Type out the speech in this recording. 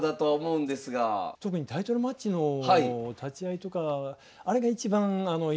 特にタイトルマッチの立会とかあれが一番いいですね。